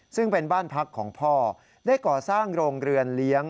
ซึ่งเป็นบ้านพักของพ่อได้ก่อสร้างโรงเรือนเลี้ยง